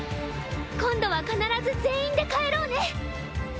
今度は必ず全員で帰ろうね。